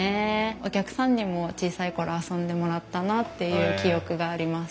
お客さんにも小さい頃遊んでもらったなっていう記憶があります。